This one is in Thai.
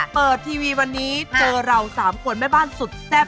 เปิดทีวีวันนี้เจอเรา๓คนแม่บ้านสุดแซ่บ